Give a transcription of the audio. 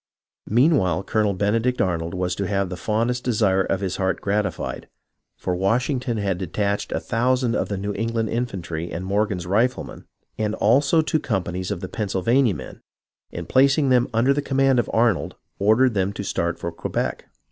Meanwhile Colonel Benedict Arnold was to have the fondest desire of his heart gratified, for Washington had detached a thousand of the New England infantry and Morgan's riflemen, and also two companies of the Penn sylvania men, and placing them under the command of THE iL\RCH OX QUEBEC 79 Arnold, ordered tJiem to start for Quebec.